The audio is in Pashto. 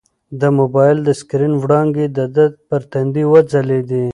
د موبایل د سکرین وړانګې د ده پر تندي وځلېدې.